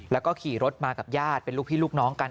แล้วก็ขี่รถมากับญาติเป็นลูกพี่ลูกน้องกัน